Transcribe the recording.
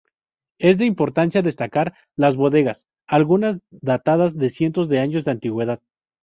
Es de importancia destacar las bodegas, algunas datadas de cientos de años de antigüedad.